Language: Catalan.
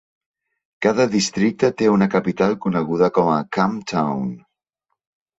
Cada districte té una capital coneguda com a "camptown".